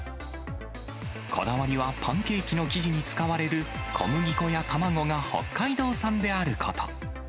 こだわりは、パンケーキの生地に使われる小麦粉や卵が北海道産であること。